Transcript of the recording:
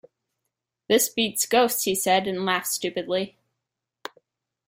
"This beats ghosts," he said, and laughed stupidly.